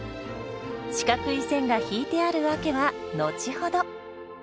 四角い線が引いてある訳は後ほど。